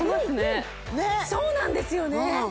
うんそうなんですよね